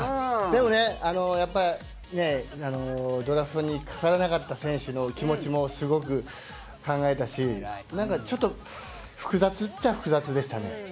でもね、やっぱりドラフトにかからなかった選手の気持ちもすごく考えたし何かちょっと、複雑っちゃ複雑でしたね。